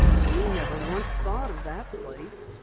"We never once thought of that place!"